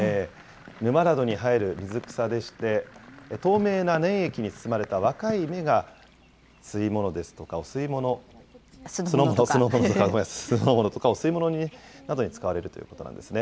沼などに生える水草でして、透明な粘液に包まれた若い芽が、吸い物ですとか、酢の物とかお吸い物などに使われるということなんですね。